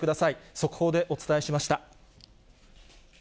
速報でお伝えしました。